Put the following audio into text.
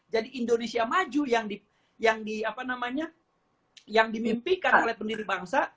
jadi indonesia maju yang dimimpikan oleh pendiri bangsa